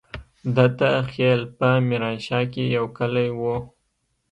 دته خېل په ميرانشاه کې يو کلی وو.